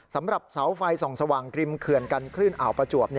สำหรับเสาไฟส่องสว่างริมเขื่อนกันคลื่นอ่าวประจวบ